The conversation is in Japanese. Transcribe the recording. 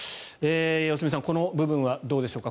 良純さんこの部分はどうでしょうか。